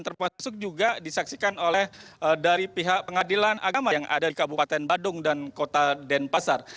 termasuk juga disaksikan oleh dari pihak pengadilan agama yang ada di kabupaten badung dan kota denpasar